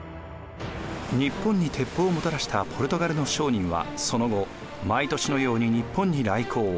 日本に鉄砲をもたらしたポルトガルの商人はその後毎年のように日本に来航。